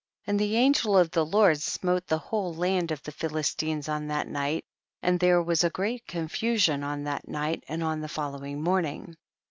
16. And the angel of the Lord smote the whole land of the Philis tines on that night, and there was a great confusion on that night and on the following morning.